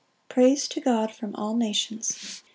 Praise to God from all nations.